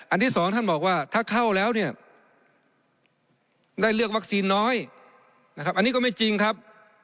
ที่สองท่านบอกว่าถ้าเข้าแล้วเนี่ยได้เลือกวัคซีนน้อยนะครับอันนี้ก็ไม่จริงครับ